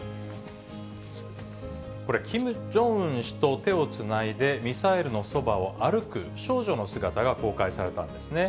これ、キム・ジョンウン氏と手をつないでミサイルのそばを歩く少女の姿が公開されたんですね。